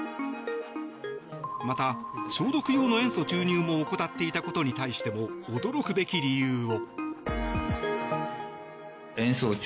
また、消毒用の塩素注入も怠っていたことに対しても驚くべき理由を。